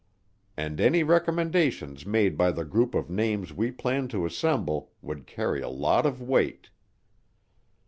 And any recommendations made by the group of names we planned to assemble would carry a lot of weight.